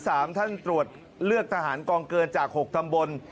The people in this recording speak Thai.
ท่านตรวจเลือกทหารกองเกินจากหกตำบล